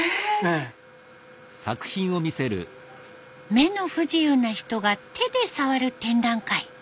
目の不自由な人が手で触る展覧会。